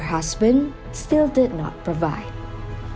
suami nanny masih belum memberikan kebutuhan